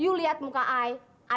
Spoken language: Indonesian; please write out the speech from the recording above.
you liat muka ayah